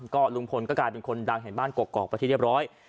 ก็ลุงพลก็กลายเป็นคนดังแห่งบ้านกกอกไปที่เรียบร้อย